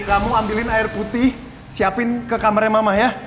kamu ambilin air putih siapin ke kamarnya mama ya